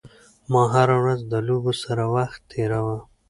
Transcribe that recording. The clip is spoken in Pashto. ما هره ورځ د لوبو سره وخت تېراوه.